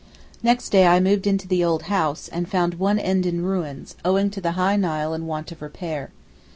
Next day I moved into the old house, and found one end in ruins, owing to the high Nile and want of repair.